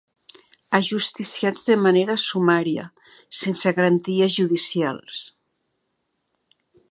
Ajusticiats de manera sumària, sense garanties judicials.